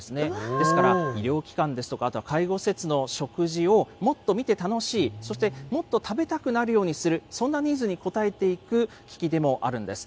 ですから医療機関ですとか、あとは介護施設の食事をもっと見て楽しい、そしてもっと食べたくなるようにする、そんなニーズに応えていく機器でもあるんです。